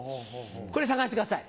これ探してください。